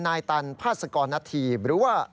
นายตันพนหรือว่า